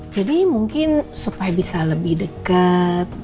jadi mungkin supaya bisa lebih deket